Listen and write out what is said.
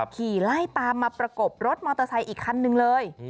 ขี่ไล่ตามมาประกบรถมอเตอร์ไซค์อีกคันนึงเลย